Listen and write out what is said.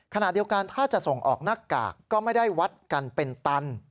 ขณะเดียวกันถ้าจะส่งออกหน้ากากก็ไม่ได้วัดกันเป็นตัน